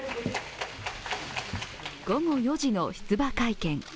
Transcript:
午後４時の出馬会見。